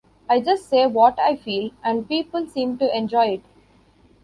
I just say what I feel and people seem to enjoy it.